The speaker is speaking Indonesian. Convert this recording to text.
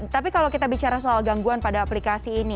tapi kalau kita bicara soal gangguan pada aplikasi ini